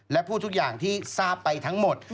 และพูดทุกอย่างที่ทราบไปทั้งหมด